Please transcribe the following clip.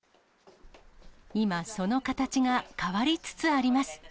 今、その形が変わりつつあります。